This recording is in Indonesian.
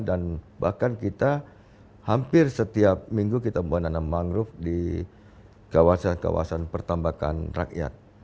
dan bahkan kita hampir setiap minggu kita mau nanam mangrove di kawasan kawasan pertambakan rakyat